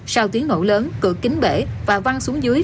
sau tiếng nổ lớn cửa kính bể và văng xuống dưới